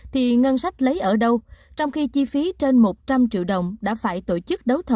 thì ngân sách lấy ở đâu trong khi chi phí trên một trăm linh triệu đồng đã phải tổ chức đấu thầu